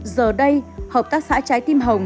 giờ đây hợp tác xã trái tim hồng